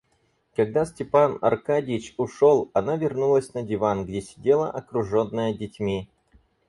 Когда Степан Аркадьич ушел, она вернулась на диван, где сидела окруженная детьми.